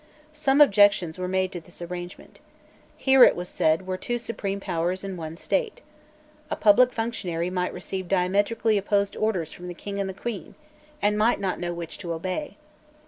Some objections were made to this arrangement. Here, it was said, were two supreme Powers in one State. A public functionary might receive diametrically opposite orders from the King and the Queen, and might not know which to obey.